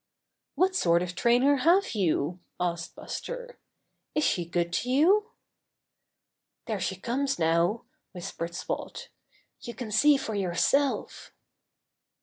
'What sort of a trainer have you?" asked Buster. "Is she good to you?" "There she comes now," whispered Spot. "You can see for yourself."